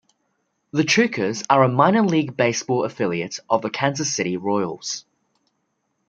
The Chukars are a Minor League Baseball affiliate of the Kansas City Royals.